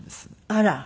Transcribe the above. あら。